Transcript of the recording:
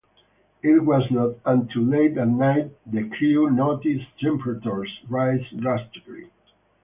It was not until late at night the crew noticed temperatures rise drastically.